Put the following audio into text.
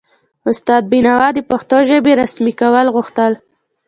استاد بینوا د پښتو ژبې رسمي کول غوښتل.